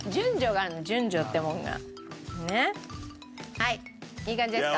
はいいい感じですか？